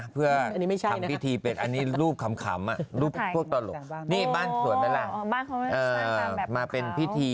เพื่อทำพิจารณ์